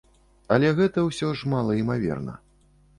Але гэта ўсё ж малаімаверна.